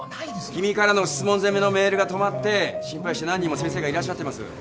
君からの質問攻めのメールが止まって心配して何人も先生がいらっしゃってます。